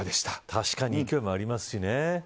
確かに勢いもありますしね。